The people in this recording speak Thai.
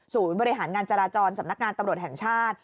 บริหารงานจราจรสำนักงานตำรวจแห่งชาติ